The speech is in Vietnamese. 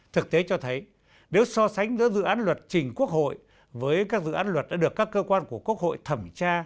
thực tế cho thấy nếu so sánh giữa dự án luật trình quốc hội với các dự án luật đã được các cơ quan của quốc hội thẩm tra